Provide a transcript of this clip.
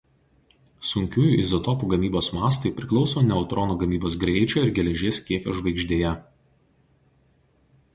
Sunkiųjų izotopų gamybos mastai priklauso neutronų gamybos greičio ir geležies kiekio žvaigždėje.